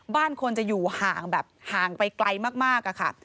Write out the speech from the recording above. บ้านคนจะอยู่ห่างไปไกลมากค่ะ